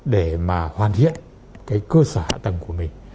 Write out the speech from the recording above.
để mà hoàn thiện cái cơ sở hạ tầng của mình